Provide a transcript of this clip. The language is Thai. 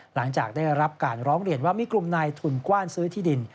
หลังจากได้รับการร้องเรียนว่ามีกลุ่มนายทุนกว้านซื้อที่ดิน